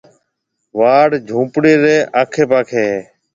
واڙ جهونپڙَي ري آکي پاکي هيَ۔